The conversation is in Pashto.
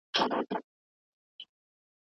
ايا حضوري زده کړه د ټولګي فعالیتونه موثره ساتي؟